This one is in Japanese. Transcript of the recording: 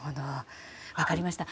分かりました。